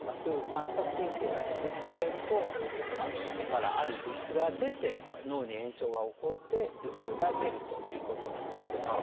三叉神経が刺激されるとそこからある物質が出て脳に炎症が起こって頭痛が出るということなんです。